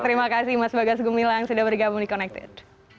terima kasih mas bagas gumilang sudah bergabung di connected